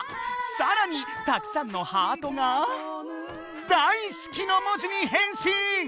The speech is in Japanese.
さらにたくさんのハートが「大好き」の文字にへんしん！